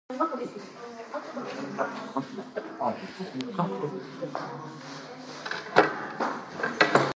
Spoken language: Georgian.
ნაგებობების გეგმარებით დადგენა ვერ მოხერხდა.